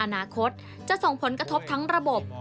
อนาคตจะส่งผลกระทบทั้งระบบ